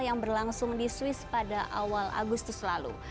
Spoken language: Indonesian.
yang berlangsung di swiss pada awal agustus lalu